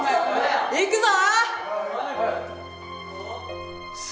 行くぞ！